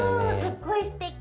すっごいすてき。